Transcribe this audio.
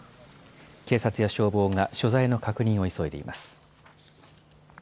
警察や消防が所在の確認を急いでいます。